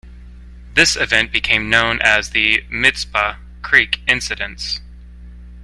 This event became known as the Mizpah Creek incidents.